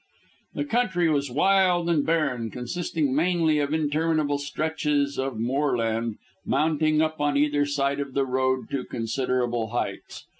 The country was wild and barren, consisting mainly of interminable stretches of moorland, mounting up on either side of the road to considerable heights.